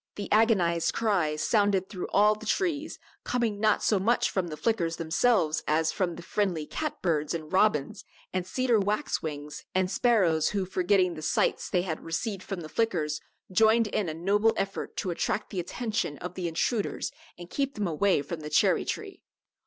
The agonized cries sounded through all the trees, coming not so much from the Flickers themselves as from the friendly cat birds and robins and cedar waxwings and sparrows who, forgetting the slights they had received from the Flickers, joined in a noble effort to attract the attention of the intruders and keep them away from the cherry tree.